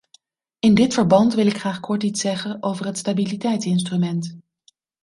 In dit verband wil ik graag kort iets zeggen over het stabiliteitsinstrument.